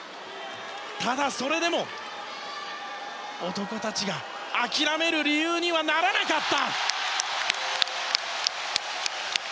ただ、それでも男たちが諦める理由にはならなかった。